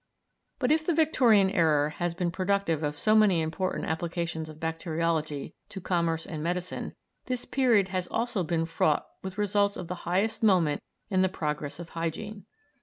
But if the Victorian era has been productive of so many important applications of bacteriology to commerce and medicine, this period has been also fraught with results of the highest moment in the progress of hygiene.